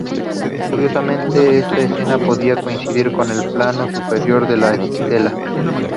Curiosamente esta escena podría coincidir con el plano superior de la estela.